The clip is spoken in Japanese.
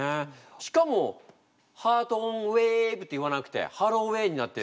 しかも「ハートオンウェーブ」って言わなくて「ハローウェー」になって。